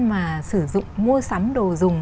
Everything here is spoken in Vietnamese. mà sử dụng mua sắm đồ dùng